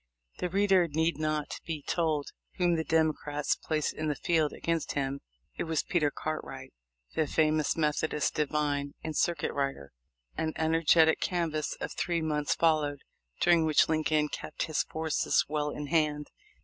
The reader need not be told whom the Democrats placed in the field against him. It was Peter Cartwright, the famous Methodist divine and circuit rider. An energetic canvass of three months followed, during which Lincoln kept his forces well in hand.